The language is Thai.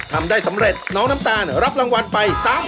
ทำได้สำเร็จน้องน้ำตาลรับรางวัลไป๓๐๐๐